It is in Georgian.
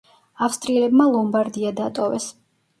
ავსტრიელებმა ლომბარდია დატოვეს.